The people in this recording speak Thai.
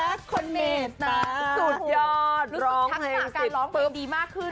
สุดยอดร้องเพลงสิทธิเติบรู้สึกทั้งต่างการร้องเพลงดีมากขึ้น